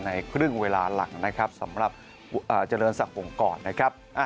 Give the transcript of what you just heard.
ในครึ่งเวลาหลังนะครับสำหรับเจริญศักดิ์องค์กรนะครับ